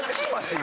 今。